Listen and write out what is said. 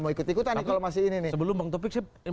mau ikut ikutan nih kalau masih ini nih sebelum bang topik sih